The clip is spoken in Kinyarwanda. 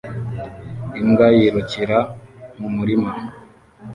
Imbwa yirukira mumurima